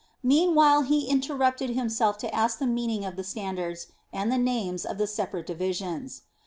Meanwhile he interrupted himself to ask the meaning of the standards and the names of the separate divisions.